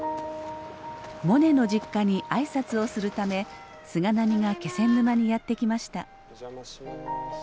モネの実家に挨拶をするため菅波が気仙沼にやって来ました。